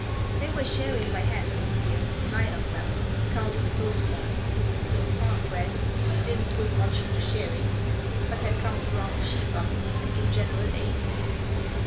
They were shearing by hand this year, nine of them, counting the postman, who, though farm bred, "did'n putt much to the shearin'," but had come to round the sheep up and give general aid.